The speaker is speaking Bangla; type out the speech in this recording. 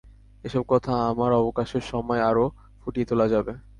এ-সব কথা আমার অবকাশের সময় আরো ফুটিয়ে তোলা যাবে।